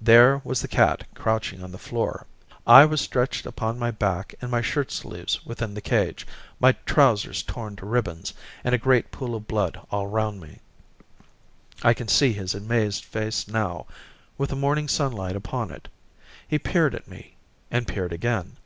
There was the cat crouching on the floor. I was stretched upon my back in my shirt sleeves within the cage, my trousers torn to ribbons and a great pool of blood all round me. I can see his amazed face now, with the morning sunlight upon it. He peered at me, and peered again.